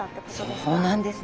そうなんですね。